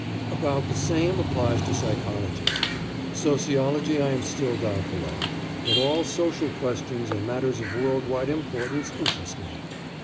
About the same applies to psychology. Sociology I am still doubtful of, but all social questions and matters of world wide importance interest me.